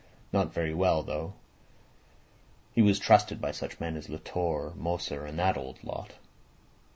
Not very well, though. He was trusted by such men as Latorre, Moser and all that old lot.